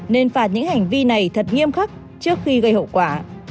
nên phạt những hành vi này thật nghiêm khắc trước khi gây hậu quả